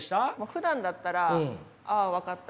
ふだんだったら「ああ分かった。